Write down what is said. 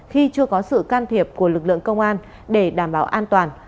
khi chưa có sự can thiệp của lực lượng công an để đảm bảo an toàn